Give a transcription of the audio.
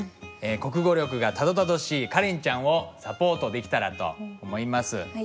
国語力がたどたどしいカレンちゃんをサポートできたらと思います。